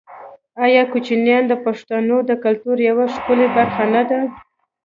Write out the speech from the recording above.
آیا کوچیان د پښتنو د کلتور یوه ښکلې برخه نه ده؟